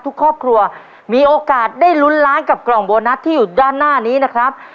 ทุกครอบครัวมีโอกาสได้ลุ้นล้านกับกล่องโบนัสที่อยู่ด้านหน้านี้นะครับ